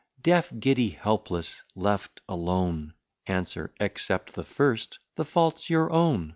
Deaf, giddy, helpless, left alone. ANSWER. Except the first, the fault's your own.